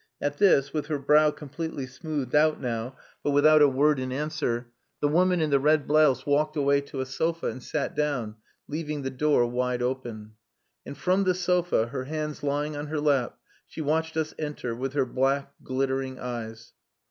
At this, with her brow completely smoothed out now, but without a word in answer, the woman in the red blouse walked away to a sofa and sat down, leaving the door wide open. And from the sofa, her hands lying on her lap, she watched us enter, with her black, glittering eyes.